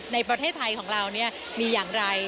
ในประเทศไทยของเรามีอย่างไร